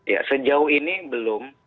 ya sejauh ini belum